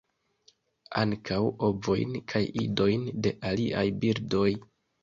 Ankaŭ ovojn kaj idojn de aliaj birdoj.